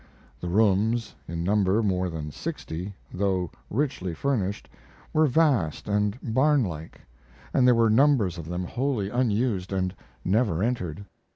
The rooms, in number more than sixty, though richly furnished, were vast and barnlike, and there were numbers of them wholly unused and never entered.